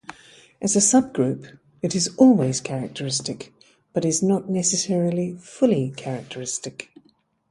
As a subgroup, it is always characteristic, but is not necessarily fully characteristic.